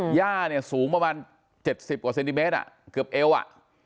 ย่าเนี่ยสูงประมาณ๗๐กว่าเซนติเมตรอ่ะเกือบเอวอ่ะ